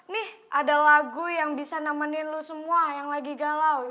nih ada lagu yang bisa nemenin lu semua yang lagi galau